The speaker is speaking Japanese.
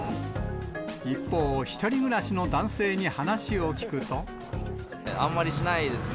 一方、１人暮らしの男性に話あんまりしないですね。